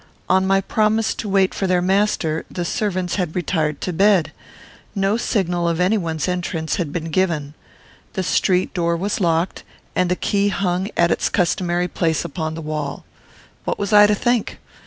On my promise to wait for their master, the servants had retired to bed. No signal of any one's entrance had been given. The street door was locked, and the key hung at its customary place upon the wall. What was I to think?